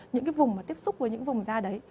những cái vùng mà tiếp xúc với những vùng da đấy